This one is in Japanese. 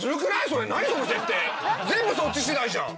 全部そっち次第じゃん。